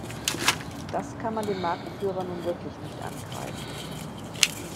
Das kann man dem Marktführer nun wirklich nicht ankreiden.